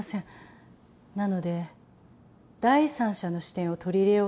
なので第三者の視点を取り入れようと考えたのです。